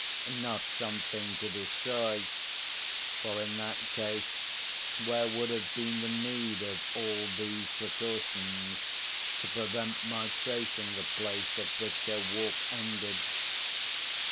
not something to destroy—for, in that case, where would have been the need of all these precautions to prevent my tracing the place at which her walk ended?